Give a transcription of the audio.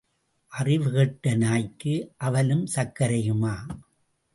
அறிவு கெட்ட நாய்க்கு அவலும் சர்க்கரையுமா?